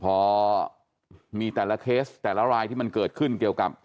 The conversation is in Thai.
พอมีแต่ละเคสแต่ละรายที่มันเกิดขึ้นเกี่ยวกับ